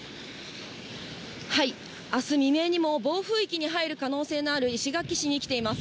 あす未明にも、暴風域に入る可能性のある石垣市に来ています。